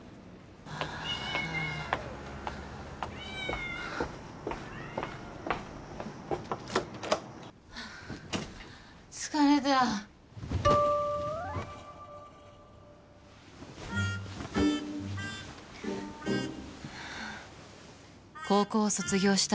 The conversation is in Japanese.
あはあ疲れたはあ高校を卒業した